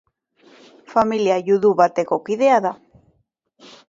Familia judu bateko kidea da.